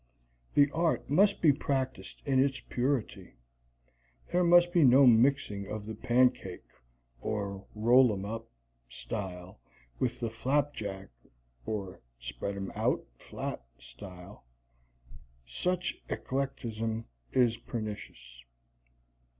The art must be practiced in its purity; there must be no mixing of the pancake (or roll 'em up) style with the flapjack (or spread 'em out flat) style. Such eclecticism is pernicious.